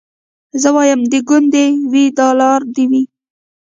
زه وايم د ګوند دي وي دلدار دي وي